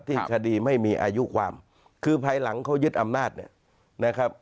คดีไม่มีอายุความคือภายหลังเขายึดอำนาจเนี่ยนะครับ